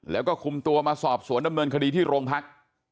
แล้วก็คุมตัวมาสอบสวนดำเนินคดีที่โรงพัก